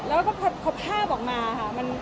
แล้วก็พอภาพออกมาค่ะ